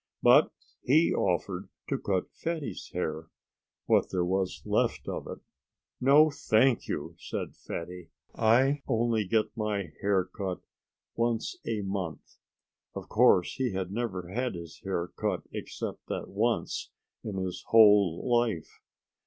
But HE offered to cut Fatty's hair what there was left of it. "No, thank you!" said Fatty. "I only get my hair cut once a month." Of course, he had never had his hair cut except that once, in his whole life.